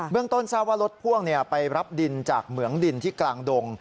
เมืองต้นทราวะรถพ่วงเนี่ยไปรับดินจากเหมืองดินที่กลางดง